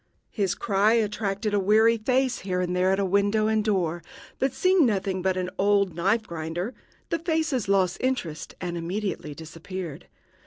His cry attracted a weary face here and there at window and door; but, seeing nothing but an old knife grinder, the faces lost interest and immediately disappeared.